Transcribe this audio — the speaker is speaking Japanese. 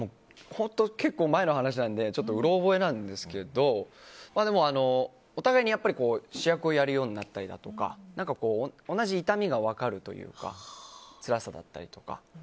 結構前の話なんでうろ覚えなんですけどお互いに主役をやるようになったりだとか同じ痛みが分かるというかつらさだったりとか。